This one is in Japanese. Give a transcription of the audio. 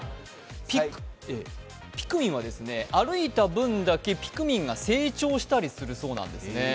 ピクミンは歩いた分だけピクミンが成長したりするそうなんですね。